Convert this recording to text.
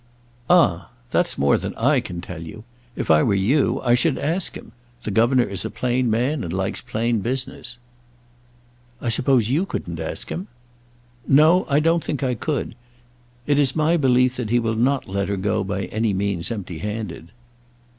"Ah! that's more than I can tell you. If I were you, I should ask him. The governor is a plain man, and likes plain business." "I suppose you couldn't ask him?" "No; I don't think I could. It is my belief that he will not let her go by any means empty handed."